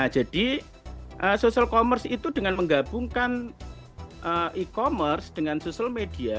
social commerce itu dengan menggabungkan e commerce dengan social media